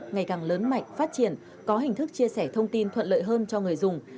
ngày càng lớn mạnh phát triển có hình thức chia sẻ thông tin thuận lợi hơn cho người dùng